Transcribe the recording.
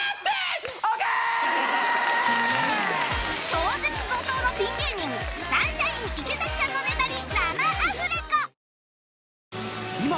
超絶怒涛のピン芸人サンシャイン池崎さんのネタに生アフレコ！